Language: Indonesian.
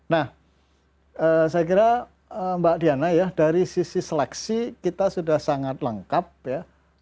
nah saya kira mbak diana ya dari sisi seleksi kita sudah sangat lengkap ya